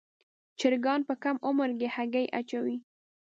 چرګان په کم عمر کې هګۍ اچوي.